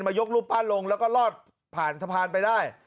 ยกรูปปั้นลงแล้วก็รอดผ่านสะพานไปได้